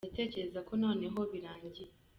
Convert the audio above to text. Ndatekereza ko noneho birangiye